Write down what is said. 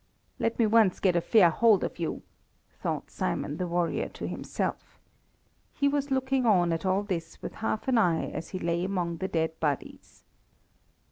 "Let me once get a fair hold of you!" thought Simon the warrior to himself. He was looking on at all this with half an eye as he lay among the dead bodies.